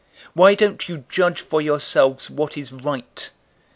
012:057 Why don't you judge for yourselves what is right?